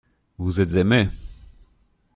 Vous êtes aimé.